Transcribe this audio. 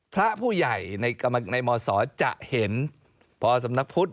พระผู้ใหญ่ในมศจะเห็นพอสำนักพุทธ